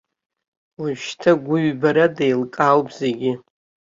Уажәшьҭа гәыҩбарада еилкаауп зегьы.